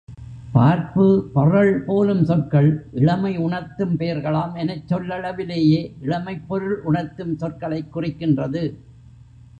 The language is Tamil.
பார்ப்பு பறழ் போலும் சொற்கள் இளமை உணர்த்தும் பெயர்களாம் எனச் சொல்லளவிலேயே இளமைப் பொருள் உணர்த்தும் சொற்களைக் குறிக்கின்றது.